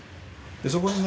そこにね